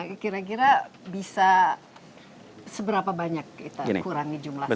nah kira kira bisa seberapa banyak kita kurangi jumlah sampah